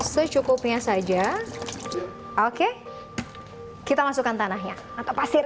secukupnya saja oke kita masukkan tanahnya atau pasir